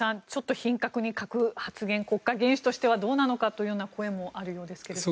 品格に欠く発言は国家元首としてはどうなのかという声もあるようなんですけど。